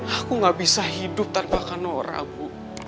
aku gak bisa hidup tanpa kak naura bu